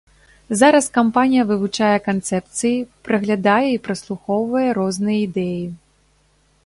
Зараз кампанія вывучае канцэпцыі, праглядае і праслухоўвае розныя ідэі.